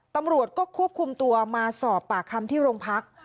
ตำรวจก็ควบคุมตัวมาสอบปากคำที่โรงพัก